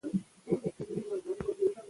پښتو ادبیات د روڼ فکر سرچینه ده.